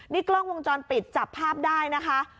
นี่กล้องวงจรปิดจับภาพได้นะคะ